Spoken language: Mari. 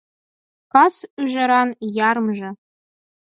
Кас ӱжаран ярымже